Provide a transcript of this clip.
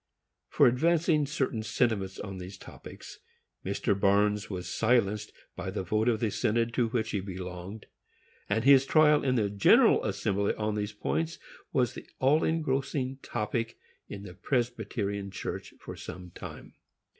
For advancing certain sentiments on these topics, Mr. Barnes was silenced by the vote of the synod to which he belonged, and his trial in the General Assembly on these points was the all engrossing topic in the Presbyterian Church for some time.